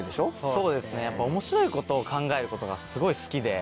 そうですね面白いことを考えることがすごい好きで。